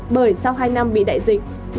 bởi sau hai năm bị đại dịch